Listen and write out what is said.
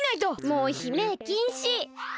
もうひめいきんし！